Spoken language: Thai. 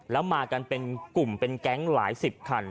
แล้วมากันเป็นกลุ่มเป็นแก๊งหลายสิบคัน